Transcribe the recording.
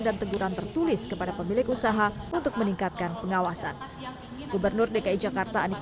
dan teguran tertulis kepada pemilik usaha untuk meningkatkan pengawasan gubernur dki jakarta anies